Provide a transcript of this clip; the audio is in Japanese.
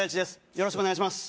よろしくお願いします